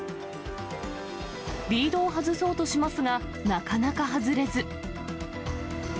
リードを外そうとしますが、なかなか外れず。